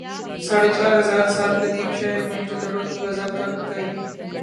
ساڑھے چار ہزار سال قدیم شہر موئن جو دڑو کی باضابطہ کھُدائی